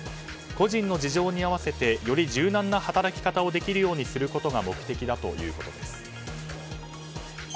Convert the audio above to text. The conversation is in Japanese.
個人の事情に合わせてより柔軟な働き方をできるようにすることが目的だということです。